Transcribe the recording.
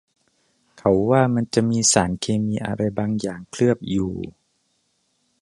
เขาว่ามันจะมีสารเคมีอะไรบางอย่างเคลือบอยู่